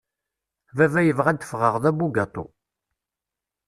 Baba yebɣa ad d-fɣeɣ d abugatu.